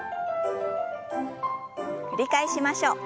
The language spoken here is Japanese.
繰り返しましょう。